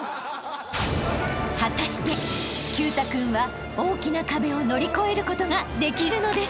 ［果たして毬太君は大きな壁を乗り越えることができるのでしょうか］